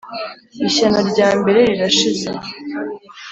Ishyano rya mbere rirashize,